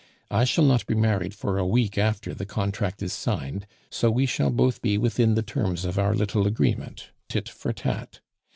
I shall not be married for a week after the contract is signed, so we shall both be within the terms of our little agreement, tit for tat.